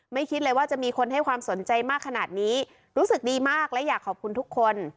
คิดเลยว่าจะมีคนให้ความสนใจมากขนาดนี้รู้สึกดีมากและอยากขอบคุณทุกคน